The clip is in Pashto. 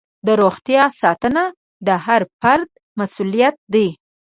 د روغتیا ساتنه د هر فرد مسؤلیت دی.